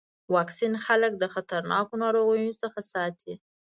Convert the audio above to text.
واکسین خلک د خطرناکو ناروغیو څخه ساتي.